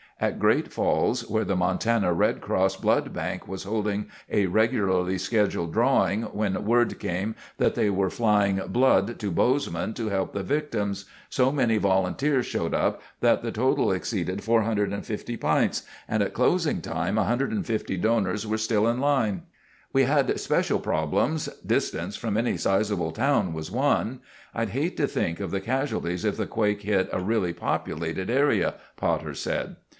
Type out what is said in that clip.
At Great Falls, where the Montana Red Cross Blood Bank was holding a regularly scheduled drawing, when word came that they were flying blood to Bozeman to help the victims, so many volunteers showed up that the total exceeded 450 pints, and at closing time 150 donors were still in line. "We had special problems—distance from any sizeable town was one. I'd hate to think of the casualties if the quake hit in a really populated area," Potter said.